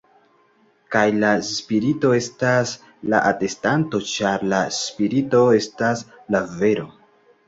Kaj la Spirito estas la atestanto, ĉar la Spirito estas la vero.